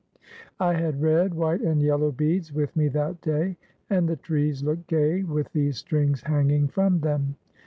I had red, white, and yellow beads with me that day, and the trees looked gay with these strings hanging from them.